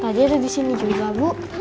tadi ada disini juga bu